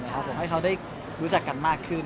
ผมให้เขาได้รู้จักกันมากขึ้น